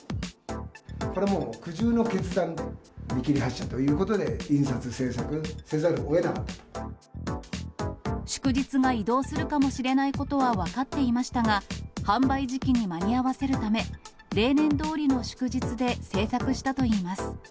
これはもう苦渋の決断で、見切り発車ということで、印刷、祝日が移動するかもしれないことは分かっていましたが、販売時期に間に合わせるため、例年どおりの祝日で製作したといいます。